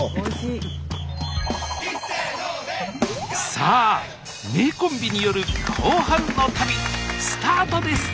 さあ名コンビによる後半の旅スタートです！